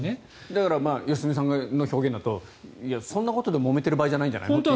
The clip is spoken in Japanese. だから良純さんの表現だとそんなことでもめている場合じゃないんじゃないと。